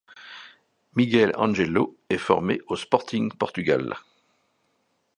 Miguel Ângelo est formé au Sporting Portugal.